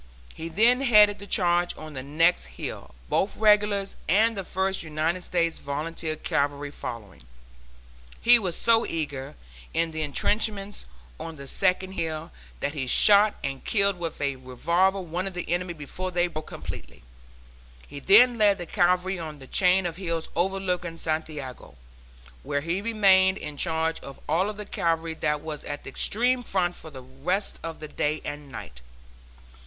He then headed the charge on the next hill, both regulars and the First United States Volunteer Cavalry following. He was so near the intrenchments on the second hill, that he shot and killed with a revolver one of the enemy before they broke completely. He then led the cavalry on the chain of hills overlooking Santiago, where he remained in charge of all the cavalry that was at the extreme front for the rest of that day and night.